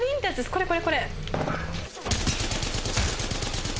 これこれこれ。